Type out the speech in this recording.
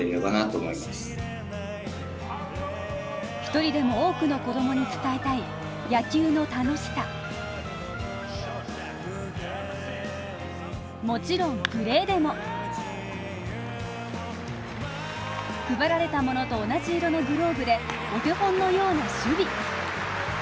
１人でも多くの子供に伝えたい野球の楽しさもちろんプレーでも配られたものと同じ色のグローブでお手本のような守備。